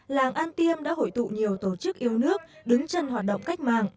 làng an tiêm đã hội tụ nhiều tổ chức yêu nước đứng chân hoạt động cách mạng